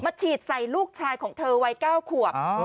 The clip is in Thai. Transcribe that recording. มาฉีดใส่ลูกชายของเธอวัยเก้าขวบอ๋อ